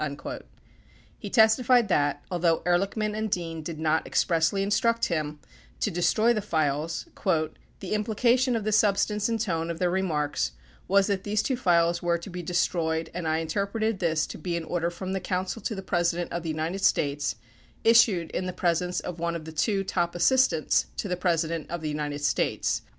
He testified that, although Ehrlichman and Dean did not expressly instruct him to de stroy the files, "the implication of the substance and tone of their remarks was that these two files were to be destroyed and I interpreted this to be an order from the counsel to the President of the United States issued in the presence of one of the two top assistants to the President of the United States."